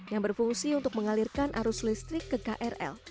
yang berfungsi untuk mengalirkan arus listrik ke krl